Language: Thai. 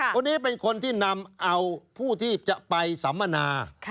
คนนี้เป็นคนที่นำเอาผู้ที่จะไปสัมมนา